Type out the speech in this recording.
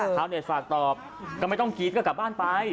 ชาวเน็ตฝากตอบก็ไม่ต้องกรี๊ดก็กลับบ้านไป